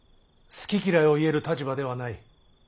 好き嫌いを言える立場ではない。